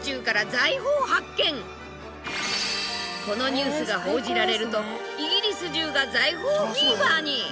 このニュースが報じられるとイギリス中が財宝フィーバーに。